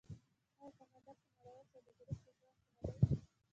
آیا کاناډا په نړیوال سوداګریز سازمان کې نه دی؟